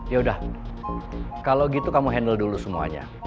yaudah kalau gitu kamu handle dulu semuanya